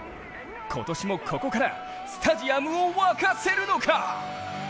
今年もここからスタジアムを沸かせるのか？